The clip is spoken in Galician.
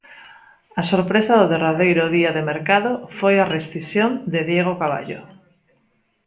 A sorpresa do derradeiro día de mercado foi a rescisión de Diego Caballo.